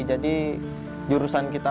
jadi diurusan kita